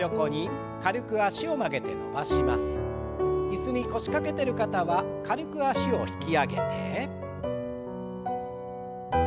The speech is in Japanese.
椅子に腰掛けてる方は軽く脚を引き上げて。